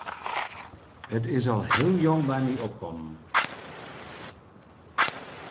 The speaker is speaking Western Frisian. It is al heel jong by my opkommen.